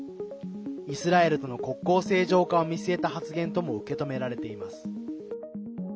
イスラエルとの国交正常化を見据えた発言とも受け止められています。